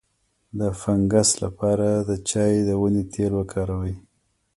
د فنګس لپاره د چای د ونې تېل وکاروئ